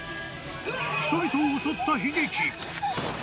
人々を襲った悲劇。